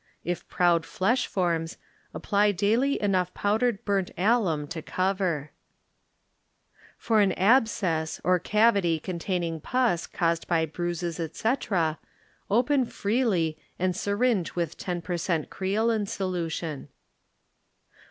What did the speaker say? If proud flesh forms apply daily enough powdered burnt alum to For an Abscess or cavity containing pus caused by bruises, etc.. open freely and syringe with 10 per cent, creolin solution.